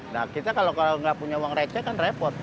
nah kita kalau nggak punya uang receh kan repot